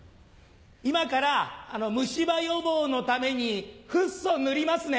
今から虫歯予防のためにフッ素塗りますね。